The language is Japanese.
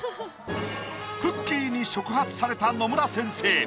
くっきー！に触発された野村先生。